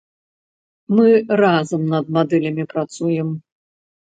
Мы разам над мадэлямі працуем.